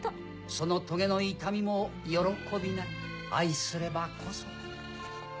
そのトゲの痛みも喜びなり愛すればこそ。